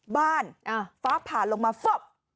บ้านฟักผ่านลงมาฟับ